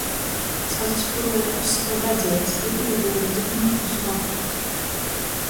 Sasaspuruoja oss kai dadzeits i īdyure tik noknu skotu.